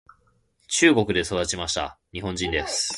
中国で育ちました。日本人です。